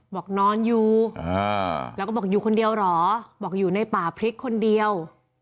บอกนอนอยู่แล้วก็บอกอยู่คนเดียวเหรอบอกอยู่ในป่าพริกคนเดียว